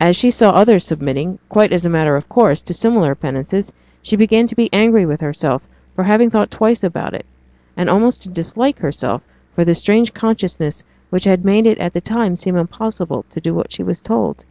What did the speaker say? As she saw others submitting, quite as a matter of course, to similar penances, she began to be angry with herself for having thought twice about it, and almost to dislike herself for the strange consciousness which had made it at the time seem impossible to do what she was told.